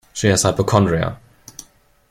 She has hypochondria.